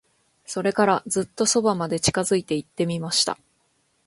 それから、ずっと側まで近づいて行ってみました。